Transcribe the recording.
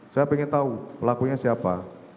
saya ingin tahu pelakunya siapa